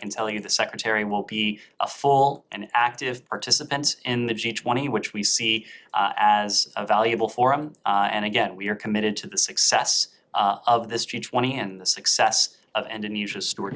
dan sekali lagi kita berhutang ke keberhasilan g dua puluh ini dan keberhasilan penyelidikan indonesia